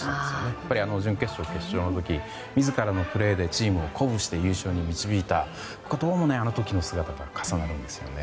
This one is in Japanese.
やっぱり準決勝、決勝の時自らのプレーでチームを鼓舞して優勝に導いたことのあの時の姿と重なるんですよね。